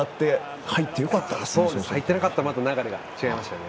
入ってなかったらまた流れが違ってましたね。